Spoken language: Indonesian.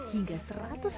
hingga seratus bungkus